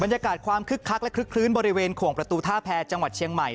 บรรยากาศความคึกคักและคลึกคลื้นบริเวณขวงประตูท่าแพรจังหวัดเชียงใหม่